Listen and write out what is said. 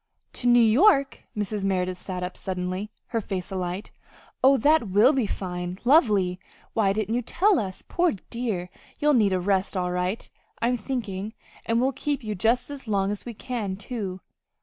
"To New York?" Mrs. Merideth sat up suddenly, her face alight. "Oh, that will be fine lovely! Why didn't you tell us? Poor dear, you'll need a rest all right, I'm thinking, and we'll keep you just as long as we can, too."